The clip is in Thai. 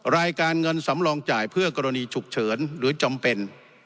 รายการเงินสำรองจ่ายเพื่อกรณีฉุกเฉินหรือจำเป็น